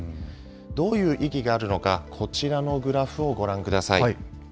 どういう意義があるのか、こちらのグラフをご覧ください。